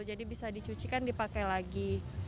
jadi bisa dicucikan dipakai lagi